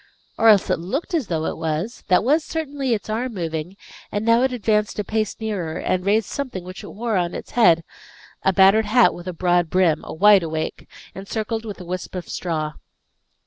Or else it looked as though it was. That was certainly its arm moving, and now it advanced a pace nearer, and raised something which it wore on its head a battered hat with a broad brim, a "wide awake," encircled with a wisp of straw.